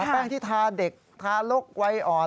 อ๋อเหรอแป้งที่ทาเด็กทาลกวัยอ่อน